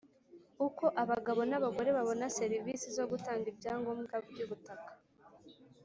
uko bagabo n abagore babona serivisi zo gutanga ibyangombwa by ubutaka